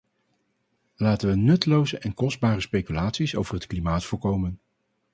Laten we nutteloze en kostbare speculaties over het klimaat voorkomen.